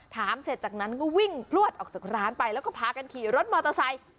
เสร็จจากนั้นก็วิ่งพลวดออกจากร้านไปแล้วก็พากันขี่รถมอเตอร์ไซค์